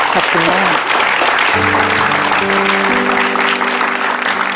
ขอบคุณมาก